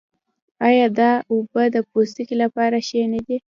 آیا دا اوبه د پوستکي لپاره ښې نه دي؟